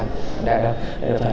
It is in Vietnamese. mà đây lại không cứu được không